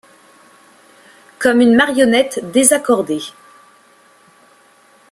Comme une marionnette désaccordée.